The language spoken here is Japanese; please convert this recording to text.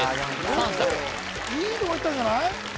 ３作いいとこいったんじゃない？